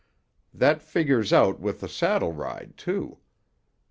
That figures out with the saddle ride, too.